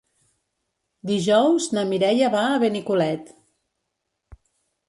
Dijous na Mireia va a Benicolet.